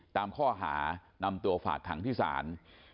ตามข้อหานำตัวฝากขังที่ศาล